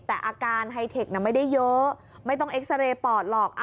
แต่อาการไฮเทคไม่ได้เยอะไม่ต้องเอ็กซาเรย์ปอดหรอก